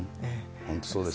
本当そうですね。